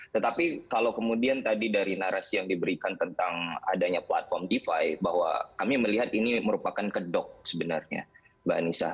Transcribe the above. tetapi kalau kemudian tadi dari narasi yang diberikan tentang adanya platform defi bahwa kami melihat ini merupakan kedok sebenarnya mbak anissa